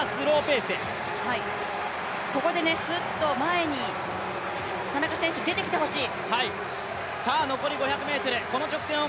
ここですっと前に田中選手出てきてほしい。